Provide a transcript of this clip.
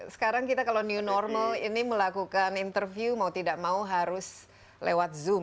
sekarang kita kalau new normal ini melakukan interview mau tidak mau harus lewat zoom